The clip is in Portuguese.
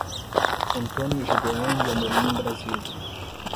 Antônio Jedean de Amorim Brasil